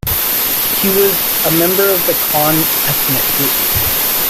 He was a member of the Krahn ethnic group.